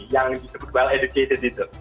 yang disebut bill educated itu